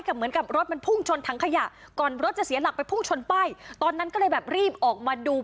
เพราะฉะนั้นก็เลยแบบรีบออกมาดู